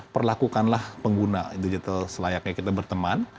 perlakukanlah pengguna digital selayaknya kita berteman